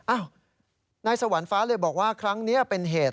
อ้าวนายสวรรค์ฟ้าเลยบอกว่าครั้งนี้เป็นเหตุ